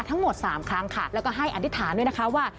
ทั้งหมด๓ครั้งค่ะแล้วก็ให้อธิษฐานด้วยนะคะว่า